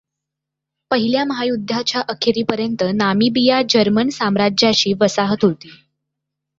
पहिल्या महायुद्धाच्या अखेरीपर्यंत नामिबिया जर्मन साम्राज्याची वसाहत होती.